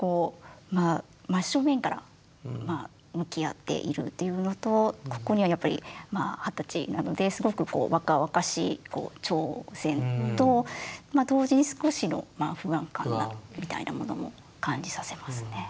真正面から向き合っているっていうのとここにはやっぱり二十歳なのですごく若々しい挑戦と同時に少しの不安感みたいなものも感じさせますね。